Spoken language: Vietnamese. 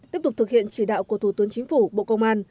tiếp tục thực hiện chỉ đạo của thủ tướng chính phủ bộ công an